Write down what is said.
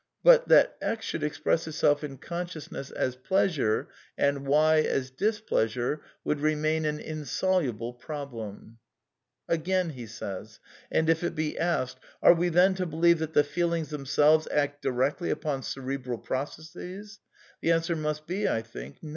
But that x should express itself in consciousness as pleasure and y as dis pleasure would remain an insoluble problenu'' Again: *^ And if it be asked — Are we then to believe that the feelings themselves act directly upon cerebral processes? the answer must be, I think.